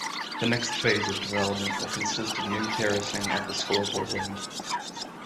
The next phase of development will consist of new terracing at the scoreboard end.